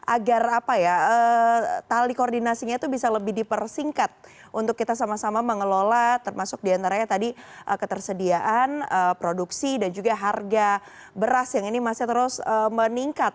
agar tali koordinasinya itu bisa lebih dipersingkat untuk kita sama sama mengelola termasuk diantaranya tadi ketersediaan produksi dan juga harga beras yang ini masih terus meningkat